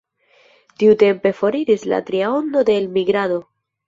Tiutempe foriris la tria ondo de elmigrado.